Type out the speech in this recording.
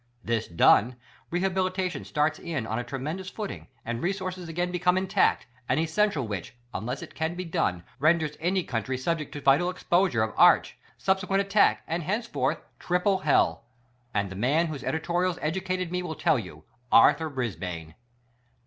This done, rehabilitation starts in on a tremendous footing, and resources again become intact, an essential which, unless it can be done, renders any coiuntry subject to vital exposure of arch, subsequent attack, and, henceforth — triple hell ! And the man whose editorials educated me will tell you — Arthur Brisbane!